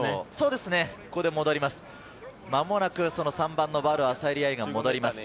間もなく３番、ヴァル・アサエリ愛が戻ります。